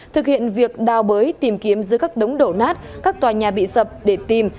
thực hiện việc đào bới tìm kiếm dưới các đống đổ nát các tòa nhà bị sập để tìm